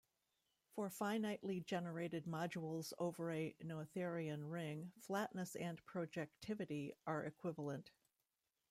For finitely generated modules over a Noetherian ring, flatness and projectivity are equivalent.